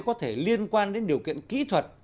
có thể liên quan đến điều kiện kỹ thuật